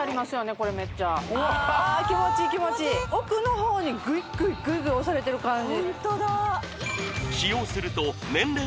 これメッチャうわ気持ちいい気持ちいい奥のほうにグイグイグイグイ押されてる感じ